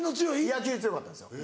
野球強かったんですよ